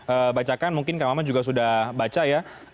saya bacakan mungkin kang maman juga sudah baca ya